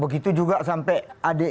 begitu juga sampai adik kita ahmad daniel